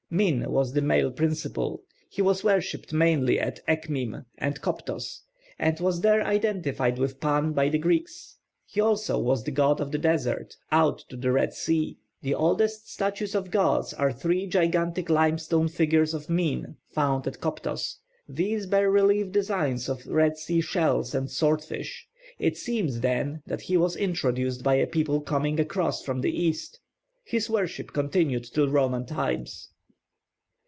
+Min+ was the male principle. He was worshipped mainly at Ekhmim and Koptos, and was there identified with Pan by the Greeks. He also was the god of the desert, out to the Red Sea. The oldest statues of gods are three gigantic limestone figures of Min found at Koptos; these bear relief designs of Red Sea shells and sword fish. It seems, then, that he was introduced by a people coming across from the east. His worship continued till Roman times.